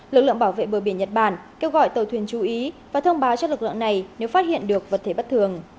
lực lượng bảo vệ bờ biển nhật bản kêu gọi tàu thuyền chú ý và thông báo cho lực lượng này nếu phát hiện được vật thể bất thường